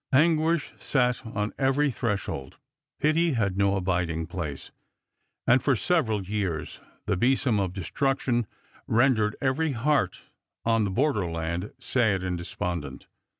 Anguish sat on every threshold, pity had no abiding place, and for several years the besom of destruction rendered every heart on the borderland sad and despondent.